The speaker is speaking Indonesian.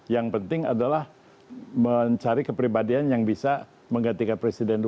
yang penting adalah mencari kepribadian yang bisa menggantikan presiden dua ribu sembilan belas